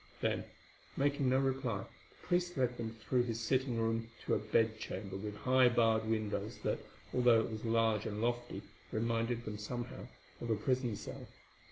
Then, making no reply, the priest led them through his sitting room to a bed chamber with high barred windows, that, although it was large and lofty, reminded them somehow of a prison cell.